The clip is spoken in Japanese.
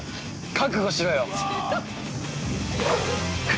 覚悟しろよ！